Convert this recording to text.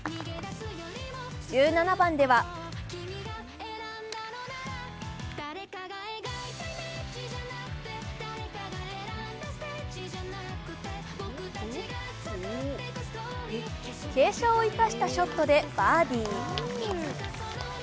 １７番では傾斜を生かしたショットでバーディー。